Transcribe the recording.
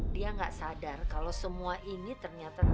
dia gak sadar kalau semua ini ternyata tipu